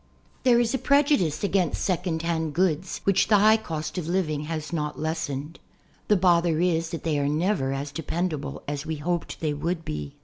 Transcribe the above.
TIIIlRE is a prejudice against "second hand" goods which the high cost of Hving has not lessened. The bother is that they are never as dependable as we hoped they would be.